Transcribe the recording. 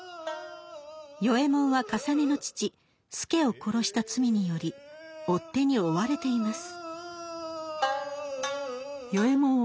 与右衛門はかさねの父助を殺した罪により追っ手に追われています。